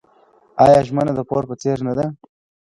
آیا ژمنه د پور په څیر نه ده؟